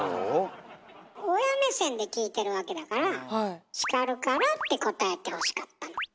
親目線で聞いてるわけだから「叱るから」って答えてほしかったの。